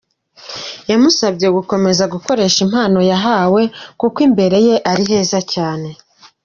Yamusabye gukomeza gukoresha impano yahawe kuko imbere he ari heza cyane.